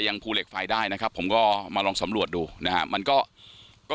ภูเหล็กไฟได้นะครับผมก็มาลองสำรวจดูนะฮะมันก็ก็